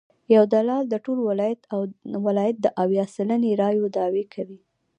یو دلال د ټول ولایت د اویا سلنې رایو دعوی کوي.